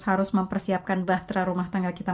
harus mempersiapkan bahtera rumah tangga kita